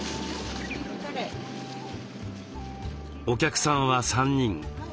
お客さんは３人。